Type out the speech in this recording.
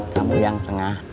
kamu yang tengah